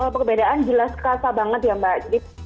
perbedaan jelas kerasa banget ya mbak